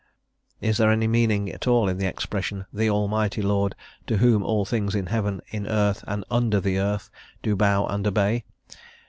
Is there any meaning at all in the expression, "the Almighty Lord.... to whom all things in heaven, in earth and under the earth do bow and obey."